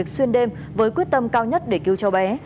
quyết tâm cao nhất để cứu cho bé